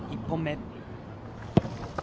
１本目。